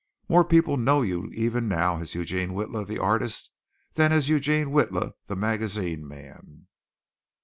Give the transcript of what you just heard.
More people know you even now as Eugene Witla, the artist, than as Eugene Witla, the magazine man."